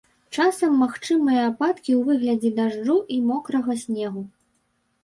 Часам магчымыя ападкі ў выглядзе дажджу і мокрага снегу.